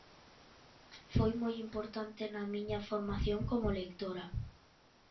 Foi moi importante na miña formación como lectora.